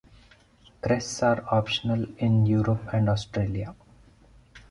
Crests are optional in Europe and Australia.